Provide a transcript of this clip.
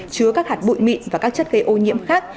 chứa các hạt bụi mịn và các chất gây ô nhiễm khác